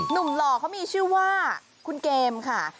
หล่อเขามีชื่อว่าคุณเกมค่ะ